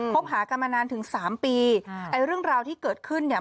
บหากันมานานถึงสามปีไอ้เรื่องราวที่เกิดขึ้นเนี่ย